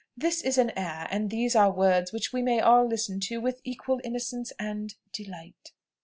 this is an air, and these are words which we may all listen to with equal innocence and delight."